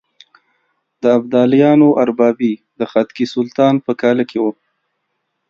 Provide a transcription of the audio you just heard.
د ابدالیانو اربابي د خدکي سلطان په کاله کې وه.